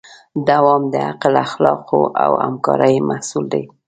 دوام د عقل، اخلاقو او همکارۍ محصول دی.